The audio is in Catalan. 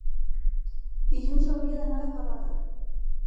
Dilluns hauria d'anar a Favara.